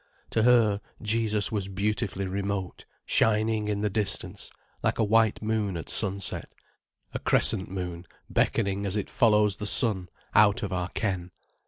To her, Jesus was beautifully remote, shining in the distance, like a white moon at sunset, a crescent moon beckoning as it follows the sun, out of our ken.